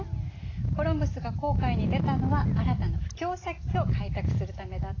コロンブスが航海に出たのは新たな布教先を開拓するためだったとも考えられているの。